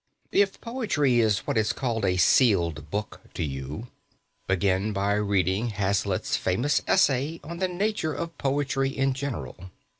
If poetry is what is called "a sealed book" to you, begin by reading Hazlitt's famous essay on the nature of "poetry in general."